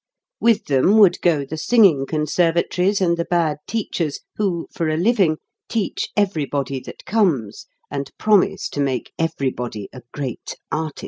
With them would go the singing conservatories and the bad teachers who, for a living, teach everybody that comes, and promise to make everybody a great artist.